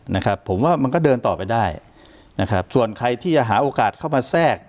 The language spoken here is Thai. นะครับผมว่ามันก็เดินต่อไปได้นะครับส่วนใครที่จะหาโอกาสเข้ามาแทรก